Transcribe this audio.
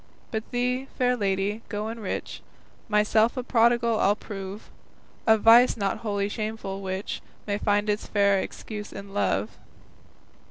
But thee, fair lady, to enrich, Myself a prodigal I'll prove, A vice not wholly shameful, which May find its fair excuse in love.